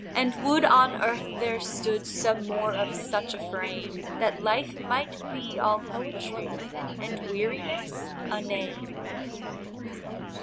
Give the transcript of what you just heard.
and would on earth there stood, Some more of such a frame, That life might be all poetry, And weariness a name.